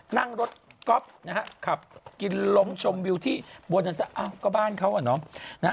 นั่งรถก๊อบนะฮะขับกินลงชมวิวที่บวนก็บ้านเขาอ่ะเนอะนะฮะ